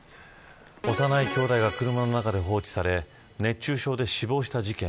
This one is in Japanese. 幼いきょうだいが車の中で放置され熱中症で死亡した事件。